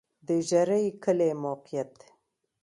د ژرۍ کلی موقعیت